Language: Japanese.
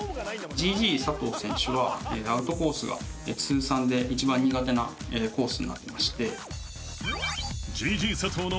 Ｇ．Ｇ．佐藤選手はアウトコースが通算で一番苦手なコースになってまして。